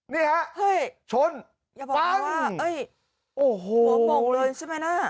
นี่ครับชนปั๊งโอ้โหโมงเลยใช่ไหมนะ